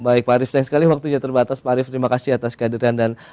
baik pak arief sayang sekali waktunya terbatas pak arief terima kasih atas kehadiran dan